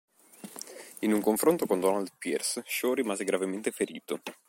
In un confronto con Donald Pierce, Shaw rimase gravemente ferito.